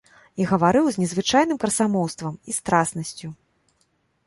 І гаварыў з незвычайным красамоўствам і страснасцю.